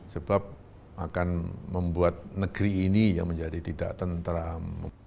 sebab akan membuat negeri ini yang menjadi tidak tentram